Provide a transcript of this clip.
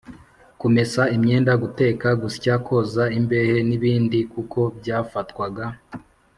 kumesa imyenda, guteka, gusya, koza imbehe n’ibindi kuko byafatwaga